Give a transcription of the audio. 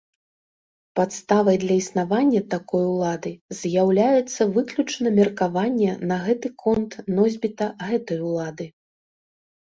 Падставай для існавання такой улады з'яўляецца выключна меркаванне на гэты конт носьбіта гэтай улады.